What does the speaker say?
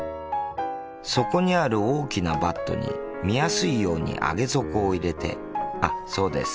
そこにある大きなバットに見やすいように上げ底を入れてあっそうです